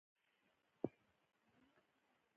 ټاکنې په رڼه او عادلانه توګه ترسره کیږي.